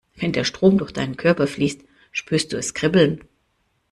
Wenn der Strom durch deinen Körper fließt, spürst du es kribbeln.